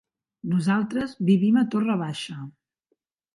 Nosaltres vivim a Torre Baixa.